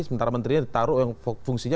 sementara menterinya ditaruh yang fungsinya